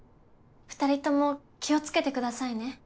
２人とも気を付けてくださいね。